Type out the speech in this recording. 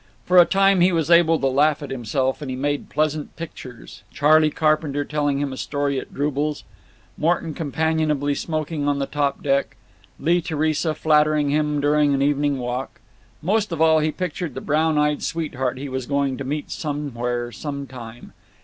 For a time he was able to laugh at himself, and he made pleasant pictures—Charley Carpenter telling him a story at Drubel's; Morton companionably smoking on the top deck; Lee Theresa flattering him during an evening walk. Most of all he pictured the brown eyed sweetheart he was going to meet somewhere, sometime.